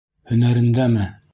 Һөнәрендәме?